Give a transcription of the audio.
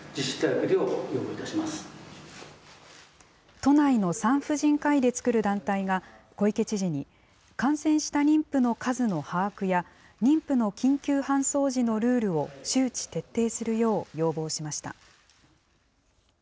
都内の産婦人科医で作る団体が小池知事に、感染した妊婦の数の把握や妊婦の緊急搬送時のルールを周知徹底するよう要望しました。